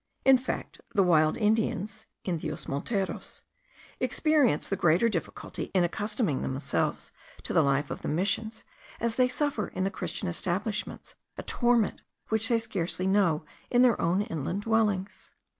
In fact the wild Indians (Indios monteros) experience the greater difficulty in accustoming themselves to the life of the missions, as they suffer in the Christian establishments a torment which they scarcely know in their own inland dwellings.